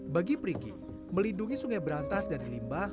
bagi periki melindungi sungai berantas dan limbah